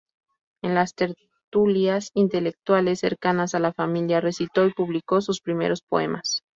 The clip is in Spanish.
En las tertulias intelectuales cercanas a la familia recitó y publicó sus primeros poemas.